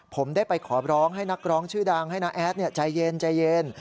ผมได้ไปขอร้องให้นักร้องชื่อดังให้น้าแอดใจเย็นใจเย็น